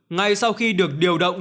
ngay sau khi được điều động